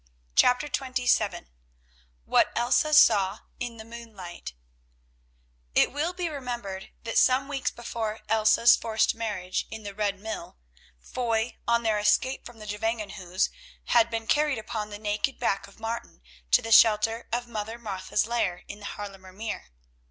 CHAPTER XXVII WHAT ELSA SAW IN THE MOONLIGHT It will be remembered that some weeks before Elsa's forced marriage in the Red Mill, Foy, on their escape from the Gevangenhuis, had been carried upon the naked back of Martin to the shelter of Mother Martha's lair in the Haarlemer Meer.